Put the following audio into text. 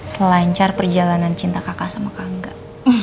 selancar perjalanan cinta kakak sama kakak